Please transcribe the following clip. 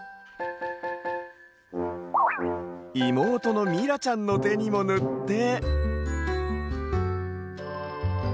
いもうとのみらちゃんのてにもぬって。